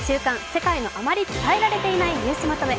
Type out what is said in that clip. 世界のあまり伝えられていないニュースまとめ」。